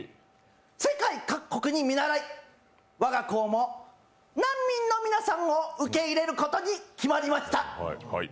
世界各国に見倣い、我が校も難民の皆さんを受け入れることに決まりました。